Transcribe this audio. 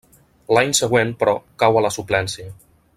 L'any següent, però, cau a la suplència.